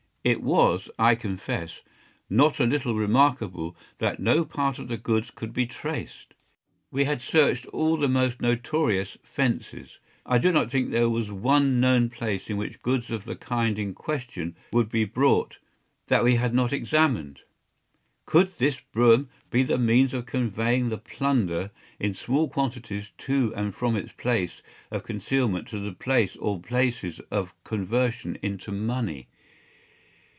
It was, I confess, not a little remarkable that no part of the goods could be traced. We had searched all the most notorious “fences.” I do not think there was one known place in which goods of the kind in question would be brought that we had not examined. Could this brougham be the means of conveying the plunder in small quantities to and from its place of concealment to the place or places of conversion into money?